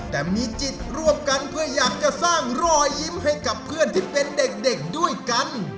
แต่มีจิตร่วมกันเพื่ออยากจะสร้างรอยยิ้มให้กับเพื่อนที่เป็นเด็กด้วยกัน